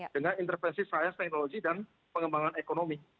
dengan intervensi sains teknologi dan pengembangan ekonomi